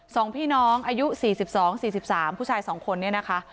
สองพี่น้องอายุ๔๒๔๓ผู้ชายสองคนเนี่ยนะคะ